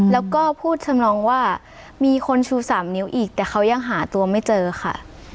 แล้วก็พูดทำนองว่ามีคนชู๓นิ้วอีกแต่เขายังหาตัวไม่เจอค่ะ